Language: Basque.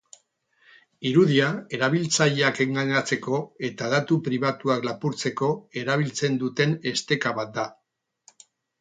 Irudia erabiltzaileak engainatzeko eta datu pribatuak lapurtzeko erabiltzen duten esteka bat da.